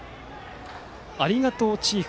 ありがとうチーフ。